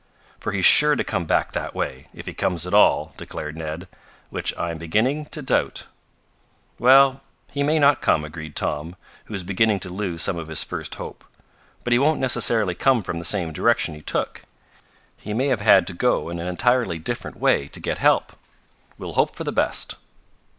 "For he's sure to come back that way if he comes at all," declared Ned; "which I am beginning to doubt." "Well, he may not come," agreed Tom, who was beginning to lose some of his first hope. "But he won't necessarily come from the same direction he took. He may have had to go in an entirely different way to get help. We'll hope for the best."